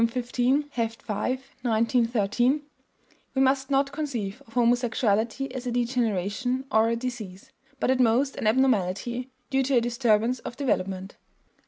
xv, Heft 5, 1913): "We must not conceive of homosexuality as a degeneration or a disease, but at most as an abnormality, due to a disturbance of development."